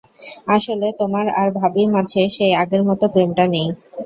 আসলে, তোমার আর ভাবীর মাঝে সেই আগের মতো প্রেমটা নেই।